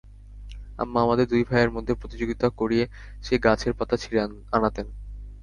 আম্মা আমাদের দুই ভাইয়ের মধ্যে প্রতিযোগিতা করিয়ে সেই গাছের পাতা ছিঁড়ে আনাতেন।